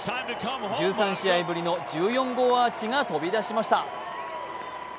１３試合ぶりの１４号アーチが飛び出しました。